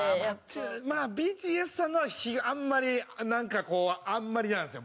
まあＢＴＳさんならあんまりなんかこうあんまりじゃないですか僕。